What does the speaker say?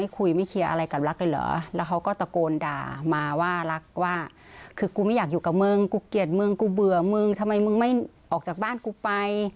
คือกูไม่อยากอยู่กับมึงกูเกลียดมึงกูเบื่อมึงทำไมมึงไม่ออกจากบ้านกูไป